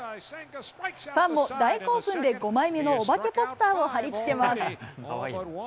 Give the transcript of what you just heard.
ファンも大興奮で５枚目のおばけポスターを貼り付けます。